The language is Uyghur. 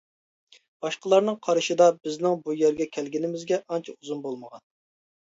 باشقىلارنىڭ قارىشىدا بىزنىڭ بۇ يەرگە كەلگىنىمىزگە ئانچە ئۇزۇن بولمىغان.